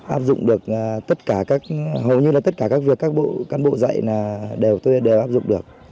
áp dụng được tất cả các hầu như là tất cả các việc các cán bộ dạy là đều tôi đều áp dụng được